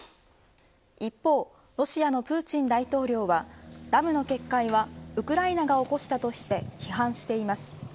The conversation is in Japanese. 一方、ロシアのプーチン大統領はダムの決壊はウクライナが起こしたとして批判しています。